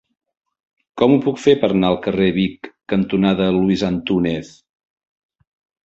Com ho puc fer per anar al carrer Vic cantonada Luis Antúnez?